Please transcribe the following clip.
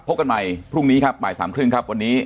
พบกันใหม่พรุ่งนี้ครับบ่าย๓๓๐ผมวันนี้